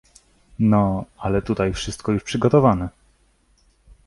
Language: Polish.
"No, ale tutaj wszystko już przygotowane?"